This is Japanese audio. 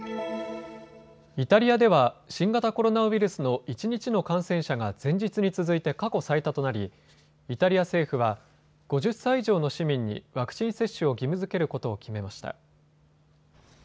イタリアでは新型コロナウイルスの一日の感染者が前日に続いて過去最多となりイタリア政府は５０歳以上の市民にワクチン接種を義務づけることを決めました。